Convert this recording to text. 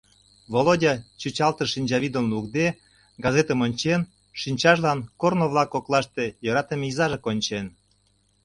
Володя, чӱчалтыш шинчавӱдым лукде, газетым ончен, шинчажлан корно-влак коклаште йӧратыме изаже кончен.